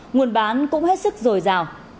nguồn bán cũng hết sức dồi dào